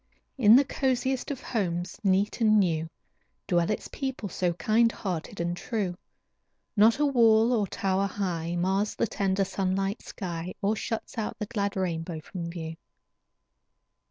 In the coziest of homes, neat and new, Dwell its people so kind hearted and true. Not a wall or tower high Mars the tender, sunlight sky, Or shuts out the glad rainbow from view.